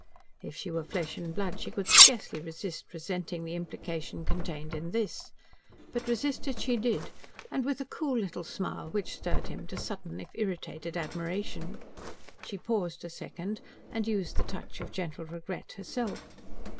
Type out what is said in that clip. If she were flesh and blood, she could scarcely resist resenting the implication contained in this. But resist it she did, and with a cool little smile which stirred him to sudden, if irritated, admiration. She paused a second, and used the touch of gentle regret herself.